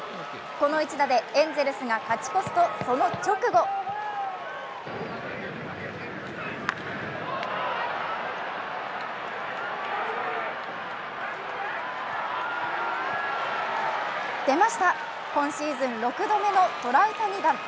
この一打でエンゼルスが勝ち越すとその直後出ました、今シーズン６度目のトラウタニ弾。